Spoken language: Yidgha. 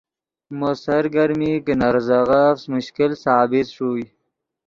مو سرگرمی کہ نے ریزغف مشکل ثابت ݰوئے